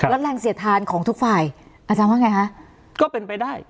แล้วแรงเสียดทานของทุกฝ่ายอาจารย์ว่าอย่างไรฮะ